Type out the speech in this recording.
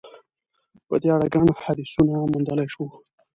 په دې اړه ګڼ حدیثونه موندلای شو.